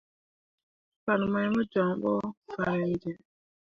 Fan mai mo jon ɓo farenjẽa.